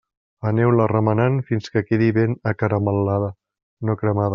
Aneu-la remenant fins que quedi ben acaramel·lada, no cremada.